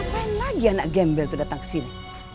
ngapain lagi anak gembel itu datang kesini